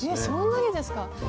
そんなにですか。